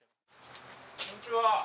こんにちは！